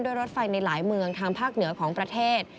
รถไฟในหลายเมืองทางภาคเหนือของประเทศ